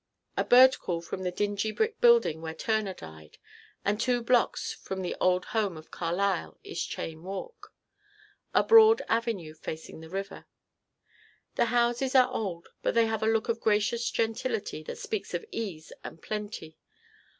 A bird call from the dingy brick building where Turner died, and two blocks from the old home of Carlyle, is Cheyne Walk a broad avenue facing the river. The houses are old, but they have a look of gracious gentility that speaks of ease and plenty.